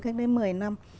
cách đấy một mươi năm